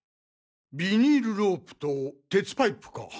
ビニールロープと鉄パイプか。